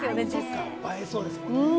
映えそうですね。